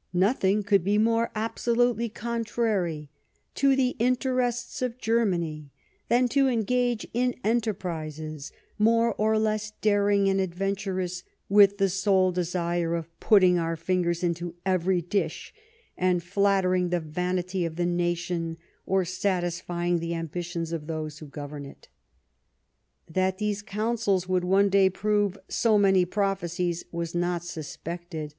... Nothing could be more absolutely contrary to the interests of Germany than to engage in enterprises more or less daring and adventurous with the sole desire of putting our fingers into every dish and flattering the vanity of the nation or satisfying the ambitions of those who govern it." That these counsels would one day prove so many prophecies was not suspected.